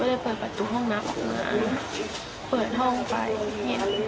ผมก็ได้เปิดประตูห้องน้ำออกมาเปิดห้องไปนี่